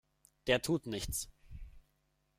Der tut nichts!